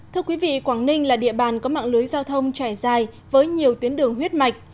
thưa quý vị quảng ninh là địa bàn có mạng lưới giao thông trải dài với nhiều tuyến đường huyết mạch